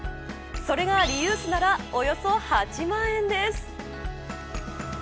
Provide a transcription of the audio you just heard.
それがリユースならおよそ８万円です。